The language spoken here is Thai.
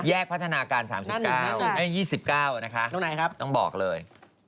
แยกพัฒนาการ๒๙ต้องบอกเลย